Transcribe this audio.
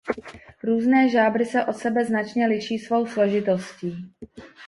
Různé žábry se od sebe značně liší svou složitostí.